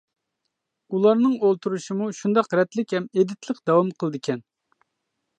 ئۇلارنىڭ ئولتۇرۇشىمۇ شۇنداق رەتلىك ھەم ئېدىتلىق داۋام قىلىدىكەن.